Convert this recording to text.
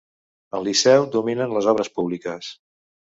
Al Liceu dominen les obres públiques.